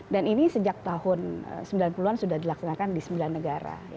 dan ini sejak tahun sembilan puluh an sudah dilaksanakan di sembilan negara